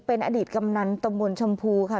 เป็นอดีตกำนันตมนต์ชมพูค่ะ